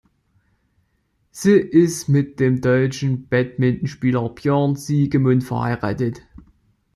Sie ist mit dem deutschen Badmintonspieler Björn Siegemund verheiratet.